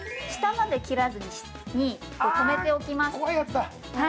下まで切らずに止めておきます。